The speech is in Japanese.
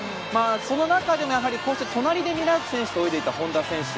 その中で隣でミラーク選手と泳いでいた本多選手。